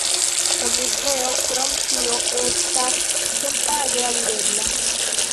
La muzeo krom tio estas senpage alirebla.